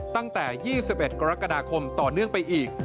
ตั้งแต่๒๑กรกฎาคมต่อเนื่องไปอีก